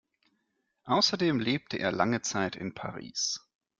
Außerdem lebte er lange Zeit in Paris.